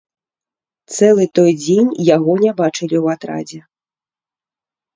Цэлы той дзень яго не бачылі ў атрадзе.